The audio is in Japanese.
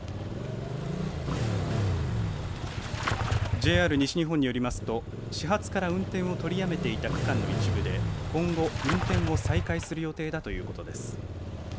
ＪＲ西日本によりますと始発から運転を取りやめていた区間の一部で今後、運転を再開する予定だということです。